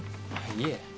いえ。